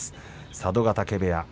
佐渡ヶ嶽部屋。